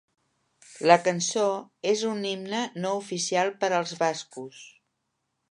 La cançó és un himne no oficial per als bascos.